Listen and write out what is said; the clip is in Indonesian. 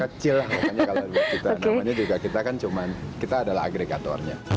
kecil lah kalau dibocorin namanya juga kita kan cuma kita adalah agregatornya